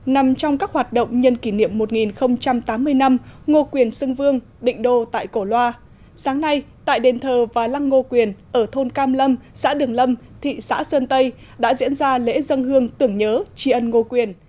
nằm trong các hoạt động nhân kỷ niệm một nghìn tám mươi năm ngô quyền sưng vương định đô tại cổ loa sáng nay tại đền thờ và lăng ngô quyền ở thôn cam lâm xã đường lâm thị xã sơn tây đã diễn ra lễ dân hương tưởng nhớ tri ân ngô quyền